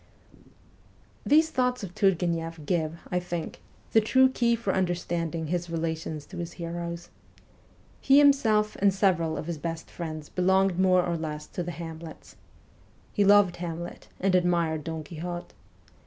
These thoughts of Turgueneff give, I think, the true key for understanding his relations to his heroes. He himself and several of his best friends belonged more or less to the Hamlets. He loved Hamlet, and admired Don Quixote.